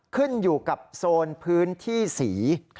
ขึ้นอยู่กับโซนพื้นที่สี